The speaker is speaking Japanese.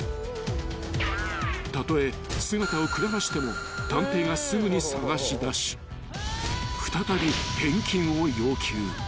［たとえ姿をくらましても探偵がすぐに捜し出し再び返金を要求］